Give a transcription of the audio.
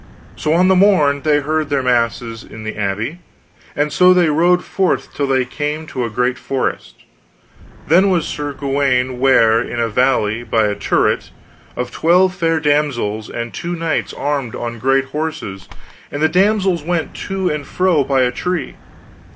So on the morn they heard their masses in the abbey, and so they rode forth till they came to a great forest; then was Sir Gawaine ware in a valley by a turret, of twelve fair damsels, and two knights armed on great horses, and the damsels went to and fro by a tree.